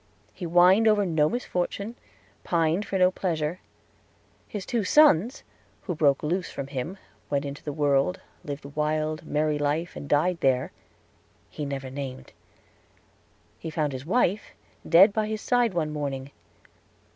He whined over no misfortune, pined for no pleasure. His two sons, who broke loose from him, went into the world, lived a wild, merry life, and died there, he never named. He found his wife dead by his side one morning.